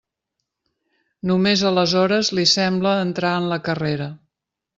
Només aleshores li sembla entrar en la carrera.